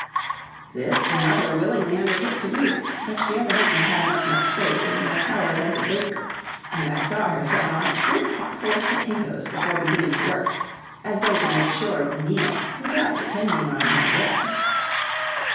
This the mother willingly undertook to do, but she evidently had not much faith in my powers as a baker, and I saw her set on a good potful of potatoes before beginning to work, as though to make sure of a meal without depending on my bread.